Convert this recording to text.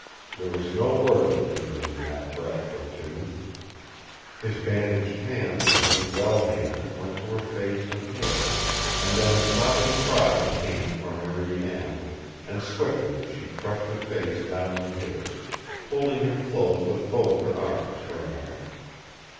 There was no word between them in that breath or two. His bandaged hand and his well hand went to her face and hair, and then a sobbing cry came from Marie Anne, and swiftly she crushed her face down to his, holding him close with both her arms for a moment.